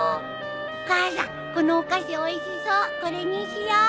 お母さんこのお菓子おいしそうこれにしよう！